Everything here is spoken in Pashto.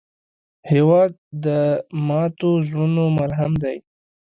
هېواد د ماتو زړونو مرهم دی.